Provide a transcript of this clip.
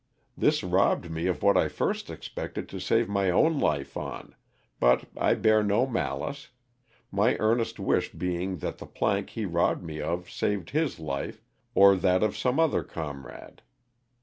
This robbed me of what I first expected to save my own life on, but I bear no malice, my earnest wish being that the plank he robbed me of saved his life or that of some other comrade.